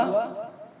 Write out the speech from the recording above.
kode etik maupun pidana